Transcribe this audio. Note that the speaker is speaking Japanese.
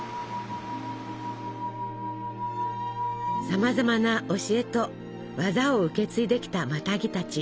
さまざまな教えと技を受け継いできたマタギたち。